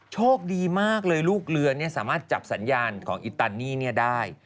โชคดีมากเลยลูกเรือสามารถจับสัญญาณของอิตานีได้